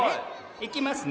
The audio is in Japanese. いきますね。